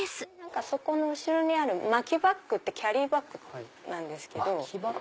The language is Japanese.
後ろにある薪バッグキャリーバッグなんですけど。